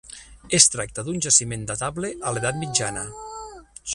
Es tracta d'un jaciment datable a l'edat mitjana.